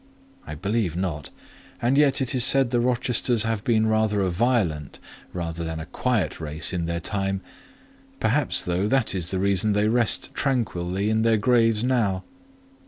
"I believe not. And yet it is said the Rochesters have been rather a violent than a quiet race in their time: perhaps, though, that is the reason they rest tranquilly in their graves now."